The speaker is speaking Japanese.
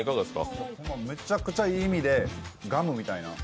めちゃくちゃいい意味でガムみたいな。